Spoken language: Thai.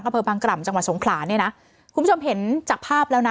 อำเภอบางกล่ำจังหวัดสงขลาเนี่ยนะคุณผู้ชมเห็นจากภาพแล้วนะ